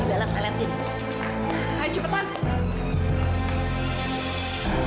di dalam lelepih ayo cepetan